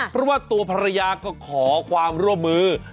เพราะว่าตัวภรรยาก็ขอความร่วมมือ